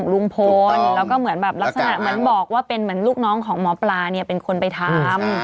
ลุงพลแล้วก็เหมือนแบบลักษณะเหมือนบอกว่าเป็นเหมือนลูกน้องของหมอปลาเนี่ยเป็นคนไปทำ